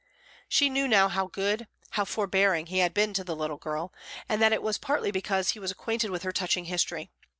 She knew now how good, how forbearing, he had been to the little girl, and that it was partly because he was acquainted with her touching history.